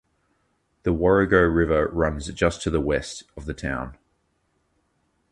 The Warrego River runs just to the west of the town.